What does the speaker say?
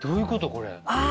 これ。